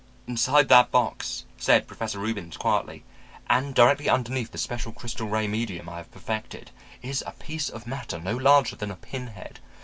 "'Inside that box,' said Professor Reubens quietly, 'and directly underneath the special crystal ray medium I have perfected, is a piece of matter no larger than a pin head.